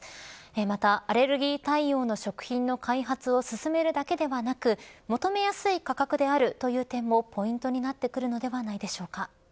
また、アレルギー対応の食品の開発を進めるだけではなく求めやすい価格であるという点もポイントになってくるのではないでしょうか。